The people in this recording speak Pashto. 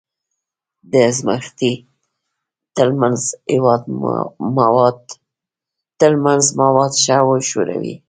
د ازمایښتي نل منځ مواد ښه وښوروئ.